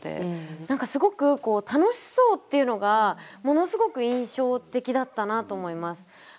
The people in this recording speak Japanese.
何かすごく楽しそうっていうのがものすごく印象的だったなと思います。